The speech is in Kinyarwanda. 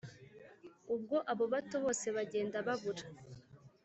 ubwo abo bato bose bagenda babura